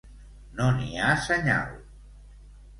No n'hi ha senyal.